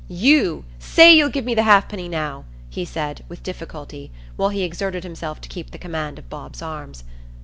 "You, say you'll give me the halfpenny now," he said, with difficulty, while he exerted himself to keep the command of Bob's arms.